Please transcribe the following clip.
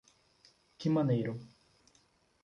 Que maneiro!